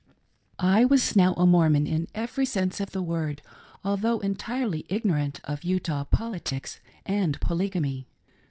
I WAS now a Mormon in every sense of the word, although entirely ignorant of Utah politics and polygamy.